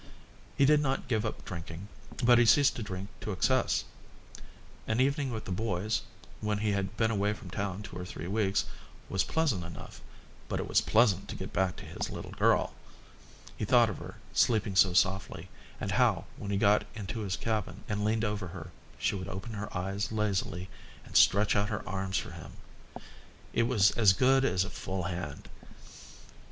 He did not give up drinking, but he ceased to drink to excess. An evening with the boys, when he had been away from town two or three weeks, was pleasant enough, but it was pleasant too to get back to his little girl; he thought of her, sleeping so softly, and how, when he got into his cabin and leaned over her, she would open her eyes lazily and stretch out her arms for him: it was as good as a full hand.